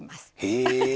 へえ！